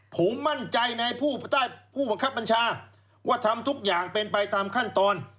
ผมมั่นใจในผู้บังคับบัญชาว่าทำทุกอย่างเป็นไปตามขั้นตอน